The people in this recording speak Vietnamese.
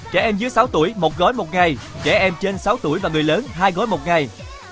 trẻ em dưới sáu tuổi một gói một ngày trẻ em trên sáu tuổi và người lớn hai gói một ngày